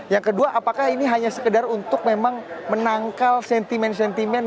yang kedua apakah ini hanya sekedar untuk memang menangkal sentimen sentimen